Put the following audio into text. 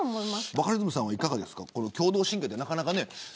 バカリズムさんはいかがですか共同親権ってなかなか。